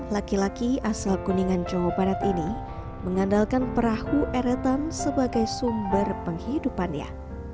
laki laki asal kuningan jawa barat ini mengandalkan perahu eretan sebagai sumber penghidupannya